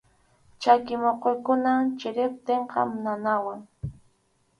Chaki muquykunam chiriptinqa nanawan.